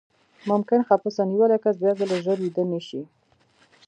ممکن خپسه نیولی کس بیاځلې ژر ویده نه شي.